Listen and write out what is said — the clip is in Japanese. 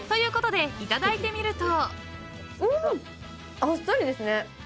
あっさりですね。